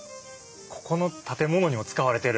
ここの建物にも使われてる。